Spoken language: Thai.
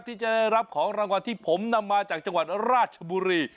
ที่จะได้รับของรางวัลที่ผมนำมาจากจังหวัดราชบุรี